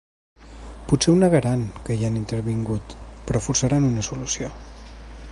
Potser ho negaran, que hi han intervingut, però forçaran una solució.